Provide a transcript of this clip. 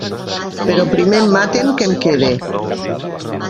Però primer em maten que em quede.